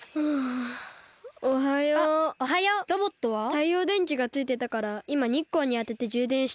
たいようでんちがついてたからいまにっこうにあててじゅうでんしてる。